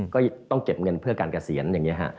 ก็ต้องเก็บเงินเพื่อการเกษียณอย่างนี้ฮะ